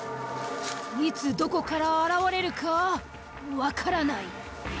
いつどこから現れるかわからない。